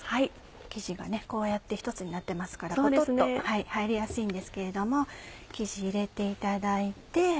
生地がこうやって一つになってますからポトっと入りやすいんですけれども生地入れていただいて。